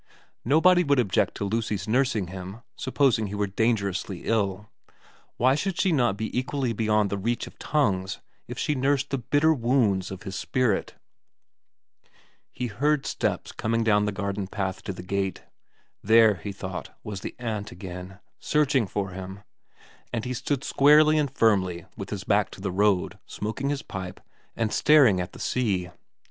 Nobody would object to Lucy's nursing him, supposing he were dangerously ill ; why should she not be equally beyond the reach of tongues if she nursed the bitter wounds of his spirit ? He heard steps coming down the garden path to the gate. There, he thought, was the aunt again, searching for him, and he stood squarely and firmly with his back to the road, smoking his pipe and staring at the sea.